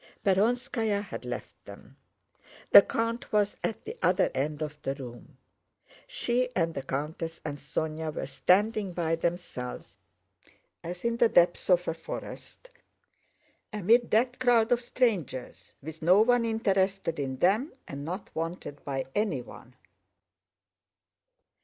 Perónskaya had left them. The count was at the other end of the room. She and the countess and Sónya were standing by themselves as in the depths of a forest amid that crowd of strangers, with no one interested in them and not wanted by anyone.